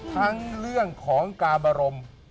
ทั้งเรื่องของการบรม